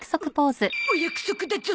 おお約束だゾ！